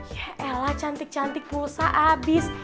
ya elah cantik cantik pulsa abis